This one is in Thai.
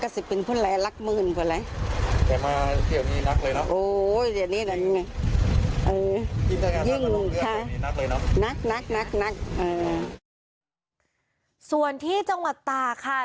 ส่วนที่จังหวัดตาค่ะ